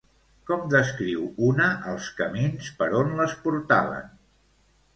Com descriu una els camins per on les portaven?